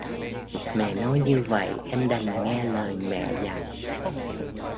mẹ nói như vậy em đành nghe lời mẹ dặn